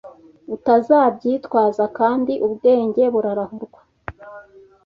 Utazabyitwaza kandi ubwenge burarahurwa